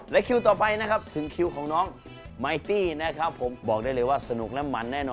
รับเธอ๒๔ชั่วโมงจากน้องใหม่เต้